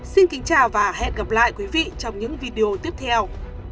xin kính chào và hẹn gặp lại quý vị trong những video tiếp theo